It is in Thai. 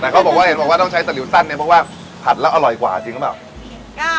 แต่เขาบอกว่าเห็นบอกว่าต้องใช้สลิวสั้นเนี่ยเพราะว่าผัดแล้วอร่อยกว่าจริงหรือเปล่า